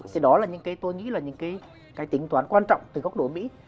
thì đó là những cái tôi nghĩ là những cái tính toán quan trọng từ góc độ mỹ